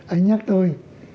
anh nhắc tôi